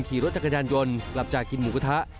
ขี่รถจักรยานยนต์กลับจากกินหมูกระทะ